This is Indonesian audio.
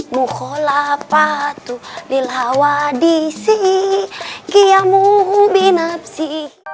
mukhollapatu dilawadi si kiamu binabsi